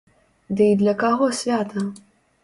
Ды й для каго свята?